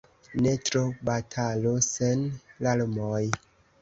Ne tro: batalo sen larmoj.